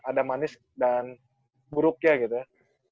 ada manis dan buruknya gitu ya